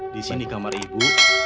disini kamar ibu